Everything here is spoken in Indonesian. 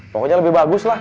pokoknya lebih bagus lah